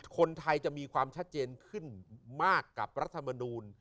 คนไทยจะมีความชัดเจนขึ้นมากกับรัฐมนูล